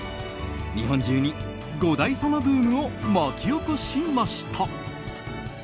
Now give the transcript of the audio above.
日本中に五代様ブームを巻き起こしました。